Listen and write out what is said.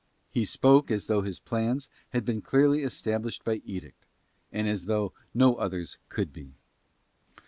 He spoke as though his plans had been clearly established by edict, and as though no others could be.